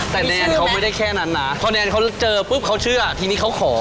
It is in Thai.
แต่แนนเขาไม่ได้แค่นั้นนะพอแนนเขาเจอปุ๊บเขาเชื่อทีนี้เขาขอ